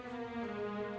pokoknya jangan lupa kang